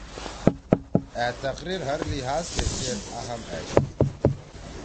أ تقریر ہر لحاظ تے چیر اہم أشی